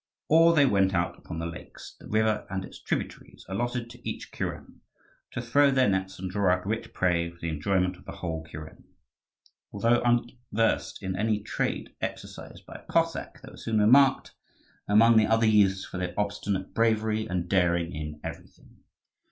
Or they went out upon the lakes, the river, and its tributaries allotted to each kuren, to throw their nets and draw out rich prey for the enjoyment of the whole kuren. Although unversed in any trade exercised by a Cossack, they were soon remarked among the other youths for their obstinate bravery and daring in everything.